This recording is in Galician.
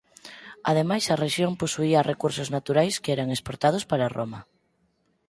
Ademais a rexión posuía recursos naturais que eran exportados para Roma.